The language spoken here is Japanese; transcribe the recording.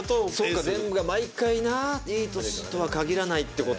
全部が毎回ないいトスとは限らないってことか。